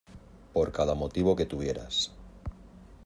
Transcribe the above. por cada motivo que tuvieras